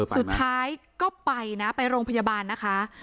สุดท้ายก็ไปนะไปโรงพยาบาลนะคะ